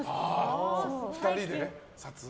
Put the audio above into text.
２人で撮影？